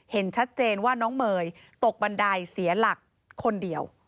เห็นชัดเจนว่าน้องเมย์ตกบันไดเสียหลักคนเดียว